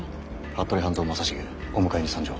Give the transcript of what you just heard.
服部半蔵正成お迎えに参上。